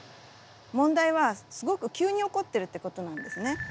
問題はすごく急に起こってるってことなんですね。